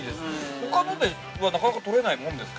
ほかのではなかなか取れないものですか。